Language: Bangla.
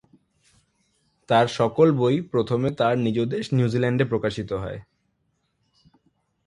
তাঁর সকল বই প্রথমে তাঁর নিজ দেশ নিউজিল্যান্ডে প্রকাশিত হয়।